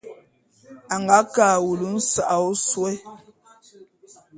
A nga ke a wulu nsa'a ôsôé.